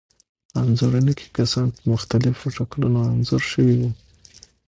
انځورونو کې کسان په مختلفو شکلونو انځور شوي وو.